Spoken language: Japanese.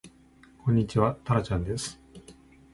こんにちはたらちゃんです